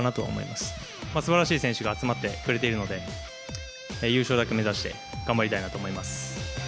すばらしい選手が集まってくれているので、優勝だけ目指して頑張りたいなと思います。